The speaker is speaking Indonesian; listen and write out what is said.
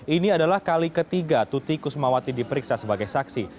ini adalah kali ketiga tuti kusmawati diperiksa sebagai saksi